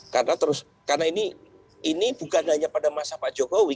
karena ini bukan hanya pada masa pak jokowi